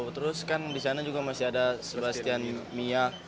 terus kan disana juga masih ada sebastian mia